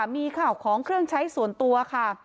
มีข่าวของเครื่องใช้ส่วนตัวค่ะ